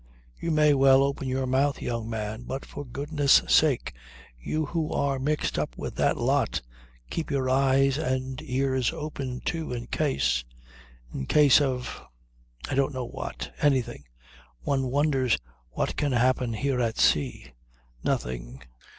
You may well open your mouth, young man. But for goodness' sake, you who are mixed up with that lot, keep your eyes and ears open too in case in case of ... I don't know what. Anything. One wonders what can happen here at sea! Nothing.